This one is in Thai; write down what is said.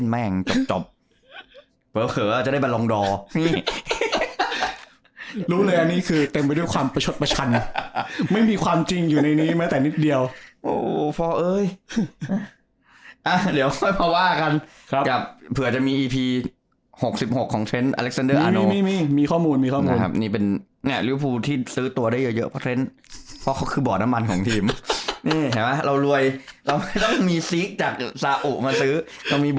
ไม่แต่ว่าผมว่าพี่ลันแซกไม่มันเท่าผม